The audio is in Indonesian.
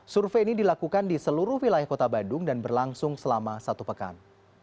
survei ini dilakukan di seluruh wilayah kota bandung dan berlangsung selama satu pekan